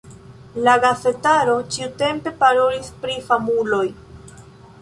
La gazetaro ĉiutempe parolis pri famuloj.